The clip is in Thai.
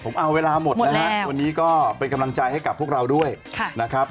ผมเอาเวลาหมดนะฮะวันนี้ก็เป็นกำลังใจให้กับพวกเราด้วยนะครับ